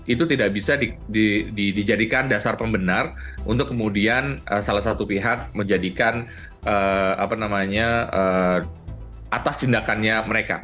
itu tidak bisa dijadikan dasar pembenar untuk kemudian salah satu pihak menjadikan atas tindakannya mereka